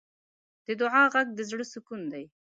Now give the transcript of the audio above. د دعا غږ د زړۀ سکون دی.